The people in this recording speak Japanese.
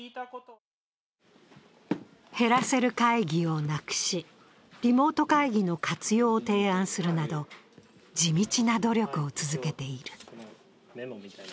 減らせる会議をなくし、リモート会議の活用を提案するなど地道な努力を続けている。